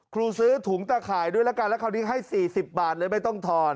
ซื้อถุงตะข่ายด้วยละกันแล้วคราวนี้ให้๔๐บาทเลยไม่ต้องทอน